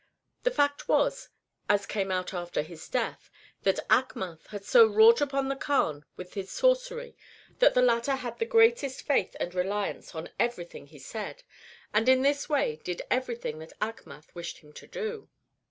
The fact was, as came out after his death, that Achmath had so wrought upon the Kaan with his sorcery, that the latter had the greatest faith and reliance on every thing he said, and in this way did everything that Achmath wished him to do.